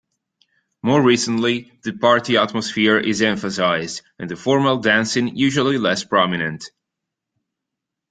More recently, the party atmosphere is emphasized and the formal dancing usually less prominent.